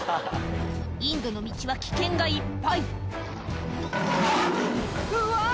インドの道は危険がいっぱいうわ！